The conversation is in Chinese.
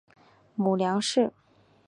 母梁氏。